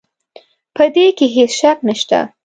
په دې کې هېڅ شک نه شته.